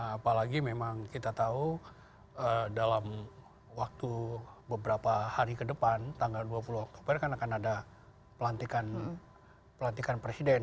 apalagi memang kita tahu dalam waktu beberapa hari ke depan tanggal dua puluh oktober kan akan ada pelantikan presiden